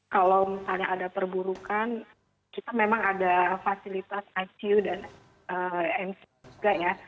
kalau misalnya ada perburukan kita memang ada fasilitas icu dan mzu